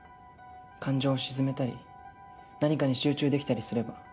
感情を鎮めたり何かに集中できたりすれば。